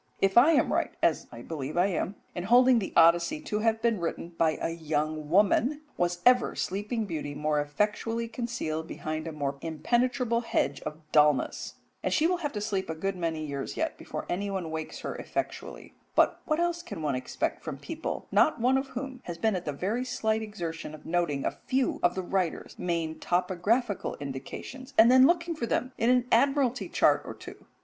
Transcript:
If I am right, as I believe I am, in holding the Odyssey to have been written by a young woman, was ever sleeping beauty more effectually concealed behind a more impenetrable hedge of dulness? and she will have to sleep a good many years yet before anyone wakes her effectually. But what else can one expect from people, not one of whom has been at the very slight exertion of noting a few of the writer's main topographical indications, and then looking for them in an Admiralty chart or two?